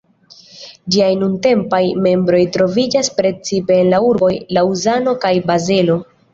Ĝiaj nuntempaj membroj troviĝas precipe en la urboj Laŭzano kaj Bazelo.